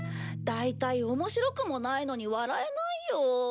大体おもしろくもないのに笑えないよ。